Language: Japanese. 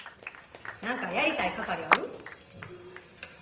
何かやりたい係ある？